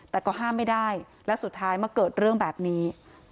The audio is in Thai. แต่ก็ห้ามไม่ได้และสุดท้ายมาเกิดเรื่องแบบนี้